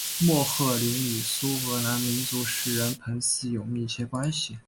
莫赫林与苏格兰民族诗人彭斯有密切关系。